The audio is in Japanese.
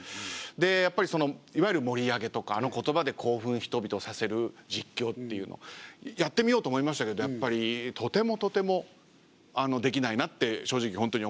やっぱりいわゆる盛り上げとかの言葉で興奮人々をさせる実況っていうのをやってみようと思いましたけどやっぱりとてもとてもできないなって正直本当に思いました。